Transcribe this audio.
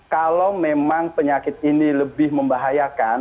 kalau memang penyakit ini lebih membahayakan